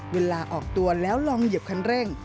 เวลาออกตัวแล้วลองเหยียบคันเร่ง